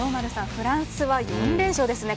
フランスは４連勝ですね。